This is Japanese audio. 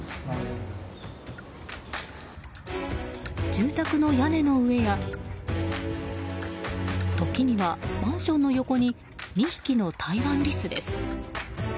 住宅の屋根の上や時にはマンションの横に２匹のタイワンリスです。